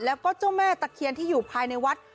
แล้วก็เจ้าแม่ตะเคียนที่อยู่ภายในวัด